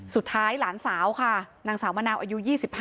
สุดท้ายหลานสาวค่ะนางสาวมะนาวอายุ๒๕